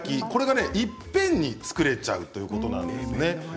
これがいっぺんに作れちゃうということなんですね。